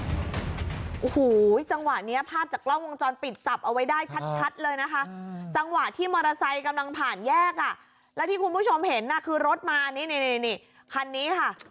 โอ้โหจังหวะนี้ภาพจากกล้องวงจรปิดจับเอาไว้ได้ชัดเลยนะคะจังหวะที่มอเตอร์ไซค์กำลังผ่านแยกอ่ะแล้วที่คุณผู้ชมเห็นน่ะคือรถมานี่นี่คันนี้ค่ะ